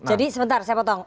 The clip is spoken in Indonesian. jadi sebentar saya potong